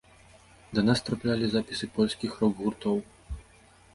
Да нас траплялі запісы польскіх рок-гуртоў.